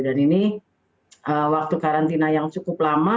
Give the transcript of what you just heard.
dan ini waktu karantina yang cukup lama